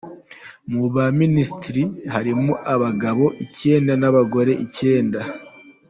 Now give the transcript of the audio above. Mu baminisitiri, harimo abagabo icyenda n’abagore icyenda.